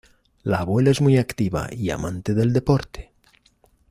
La abuela es muy activa y amante del deporte.